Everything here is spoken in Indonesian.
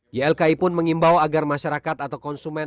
ylki pun mengimbau agar masyarakat atau konsumen